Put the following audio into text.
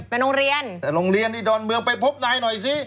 ไปโรงเรียนดอนเมืองไปพบนายหน่อยสิ